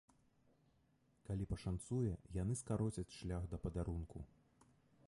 Калі пашанцуе, яны скароцяць шлях да падарунку.